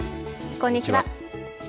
こんにちは。